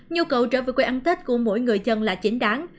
nhu cầu trở về quê ăn tết của mỗi người dân là chính đáng